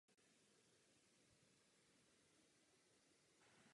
Jedná se o stanici mělce založenou s dvěma podzemními vestibuly.